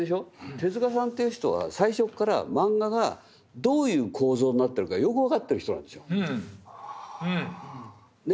手さんという人は最初からマンガがどういう構造になってるかよく分かってる人なんですよ。ね。